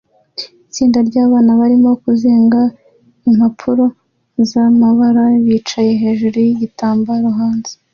Itsinda ryabana barimo kuzinga impapuro zamabara bicaye hejuru yigitambaro hanze